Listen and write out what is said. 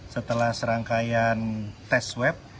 setelah serangkaian tes web